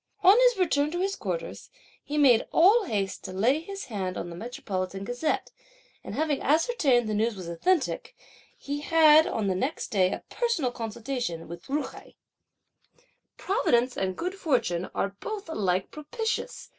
On his return to his quarters, he made all haste to lay his hand on the Metropolitan Gazette, and having ascertained that the news was authentic, he had on the next day a personal consultation with Ju hai. "Providence and good fortune are both alike propitious!"